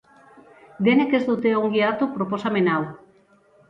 Denek ez dute ongi hartu proposamen hau.